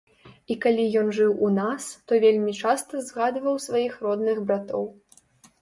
І калі ён жыў у нас, то вельмі часта згадваў сваіх родных братоў.